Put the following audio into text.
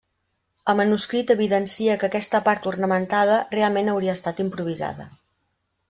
El manuscrit evidencia que aquesta part ornamentada realment hauria estat improvisada.